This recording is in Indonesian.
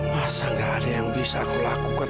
masa gak ada yang bisa aku lakukan